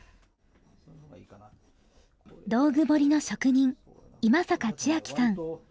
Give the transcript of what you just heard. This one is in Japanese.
道具彫の職人今坂千秋さん。